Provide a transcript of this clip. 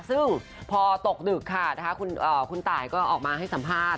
ซึ่งพอตกดึกค่ะคุณตายก็ออกมาให้สัมภาษณ์